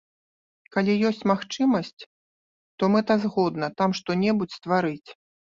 Калі ёсць магчымасць, то мэтазгодна там што-небудзь стварыць.